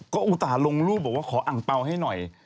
ก็อุตส่าห์ลงลูกว่าขออัห์ปาวให้หน่อย